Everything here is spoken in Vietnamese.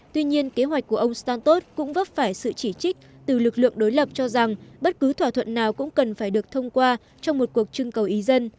tuy nhiên kế hoạch của ông stantot cũng vấp phải sự chỉ trích từ lực lượng đối lập cho rằng bất cứ thỏa thuận nào cũng cần phải được thông qua trong một cuộc trưng cầu ý dân